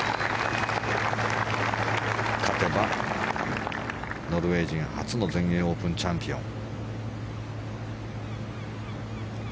勝てばノルウェー人初の全英オープンチャンピオン。